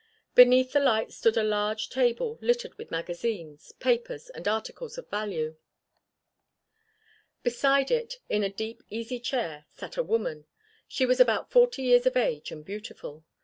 Beneath the light stood a large table littered with magazines, papers and articles of value. Beside it, in a deep easy chair, sat a woman. She was about forty years of age and beautiful.